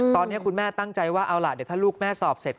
ตอนนี้คุณแม่ตั้งใจว่าเอาล่ะเดี๋ยวถ้าลูกแม่สอบเสร็จ